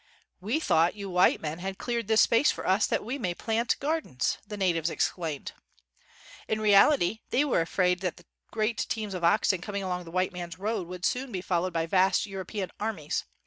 "We thought you white men had cleared this space for us that we might plant gar dens," the natives explained. In reality, they were afraid that the great teams of oxen coming along the white man's road would soon be followed by vast European armies.